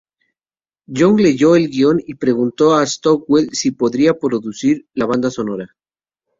Young leyó el guion y preguntó a Stockwell si podía producir la banda sonora.